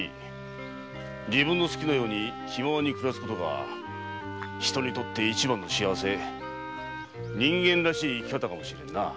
自分が好きなように気ままに暮らすことが人にとって一番の幸せ人間らしい生き方かもしれんな。